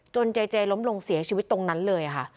เจเจล้มลงเสียชีวิตตรงนั้นเลยค่ะ